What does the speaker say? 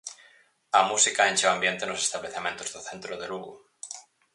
A música enche o ambiente nos establecementos do centro de Lugo.